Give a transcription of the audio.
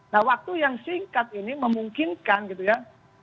nah waktu yang singkat ini memungkinkan gitu ya